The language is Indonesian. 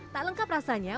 tak lengkap rasanya